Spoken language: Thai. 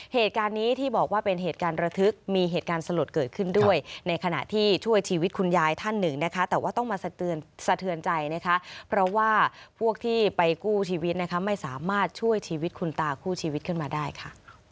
เหตุการณ์นี้ที่บอกว่าเป็นเหตุการณ์ระทึกมีเหตุการณ์สลดเกิดขึ้นด้วยในขณะที่ช่วยชีวิตคุณยายท่านหนึ่งนะคะแต่ว่าต้องมาสะเทือนใจนะคะเพราะว่าพวกที่ไปกู้ชีวิตนะคะไม่สามารถช่วยชีวิตคุณตาคู่ชีวิตขึ้นมาได้ค่ะ